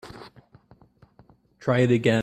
Try it again.